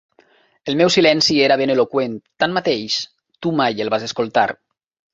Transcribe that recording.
El meu silenci era ben eloqüent, tanmateix, tu mai el vas escoltar.